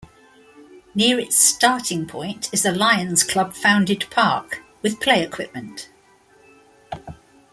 Near its starting point is a Lions Club founded park, with play equipment.